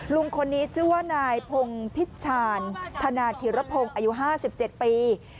ลุงคนนี้ชื่อว่านายพงพิชชาญธนาธิรพงศ์อายุ๕๗ปี